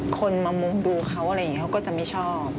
คนมามุกดูเขาอะไรอย่างนี้เขาก็จะไม่ชอบ